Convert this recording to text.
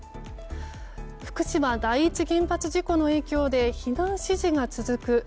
福島第一原発事故の影響で避難指示が続く